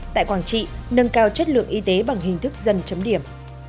tại quảng trị nâng cao chất lượng y tế bằng hình thức dân chấm điểm